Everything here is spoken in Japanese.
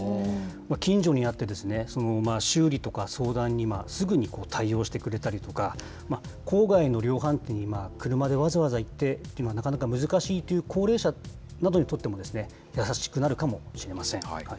近所にあって、修理とか相談に、すぐに対応してくれたりとか、郊外の量販店に車でわざわざ行ってというのがなかなか難しいという高齢者などにとっても、やさしくなるかもしれません。